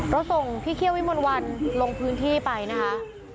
เราส่งพี่เคี่ยววิมนต์วันลงพื้นที่ไปนะคะ